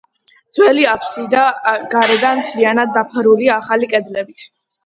ძველი აფსიდა გარედან მთლიანად დაფარულია ახალი კედლებით.